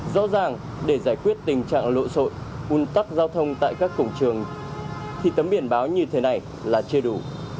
rõ ràng để giải quyết tình trạng lộ sội un tắc giao thông tại các cổng trường thì tấm biển báo như thế này là chưa đủ